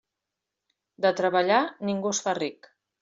De treballar, ningú es fa ric.